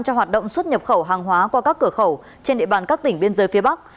cho hoạt động xuất nhập khẩu hàng hóa qua các cửa khẩu trên địa bàn các tỉnh biên giới phía bắc